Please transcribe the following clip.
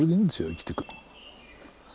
生きてくの。